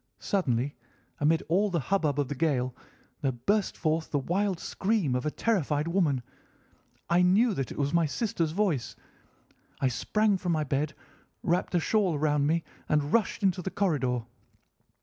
Suddenly, amid all the hubbub of the gale, there burst forth the wild scream of a terrified woman. I knew that it was my sister's voice. I sprang from my bed, wrapped a shawl round me, and rushed into the corridor.